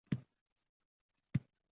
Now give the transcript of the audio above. Ishon, lek shubhalan